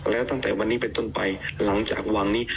แล้วตั้งแต่วันนี้เป็นต้นไปหลังจากวันนี้